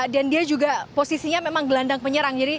dan dia juga posisinya memang gelandang penyerang